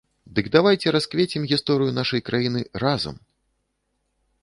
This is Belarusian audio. Дык давайце расквецім гісторыю нашай краіны разам!